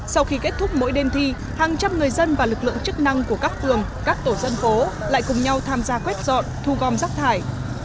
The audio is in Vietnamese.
sau khi kết thúc mỗi đêm thi hàng trăm người dân và lực lượng chức năng của các phường các tổ dân phố lại cùng nhau tham gia quét dọn thu gom rác thải